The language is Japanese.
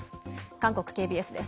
韓国ＫＢＳです。